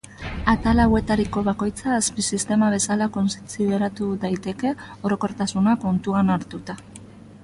Atal hauetariko bakoitza azpi-sistema bezala kontsideratu daiteke, orokortasuna kontutan hartuta.